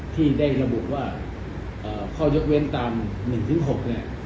ที่ได้ระบุว่าเอ่อข้อยกเว้นตามหนึ่งถึงหกเนี้ย